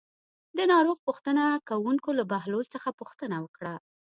د ناروغ پوښتنه کوونکو له بهلول څخه پوښتنه وکړه.